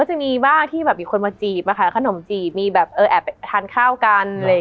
ก็จะมีบ้านที่มีคนมาจีบขนมจีบแอบทานข้าวกัน